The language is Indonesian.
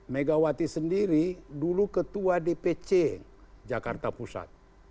megawati sendiri dulu ketua dpc jakarta pusat